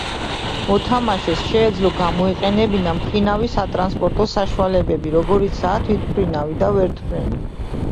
მოთამაშეს შეეძლო გამოეყენებინა მფრინავი სატრანსპორტო საშუალებები, როგორებიცაა თვითმფრინავი და ვერტმფრენი.